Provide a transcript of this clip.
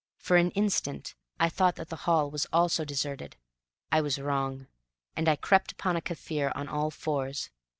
For an instant I thought that the hall also was deserted. I was wrong, and I crept upon a Kaffir on all fours.